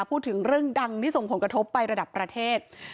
พูดถึงเรื่องดังที่ส่งผลกระทบไประดับประเทศ